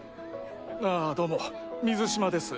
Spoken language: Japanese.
ああどうも水嶋です。